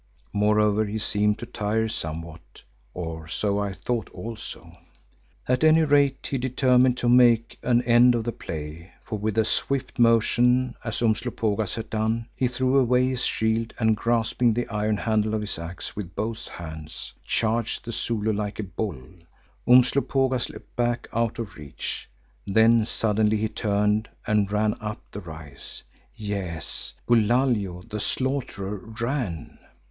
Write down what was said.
Moreover he seemed to tire somewhat—or so I thought also. At any rate he determined to make an end of the play, for with a swift motion, as Umslopogaas had done, he threw away his shield and grasping the iron handle of his axe with both hands, charged the Zulu like a bull. Umslopogaas leapt back out of reach. Then suddenly he turned and ran up the rise. Yes, Bulalio the Slaughterer ran!